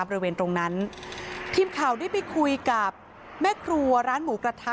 บริเวณตรงนั้นทีมข่าวได้ไปคุยกับแม่ครัวร้านหมูกระทะ